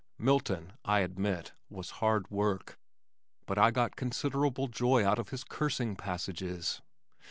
Milton I admit was hard work, but I got considerable joy out of his cursing passages.